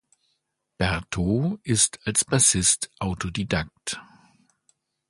Bertaux ist als Bassist Autodidakt.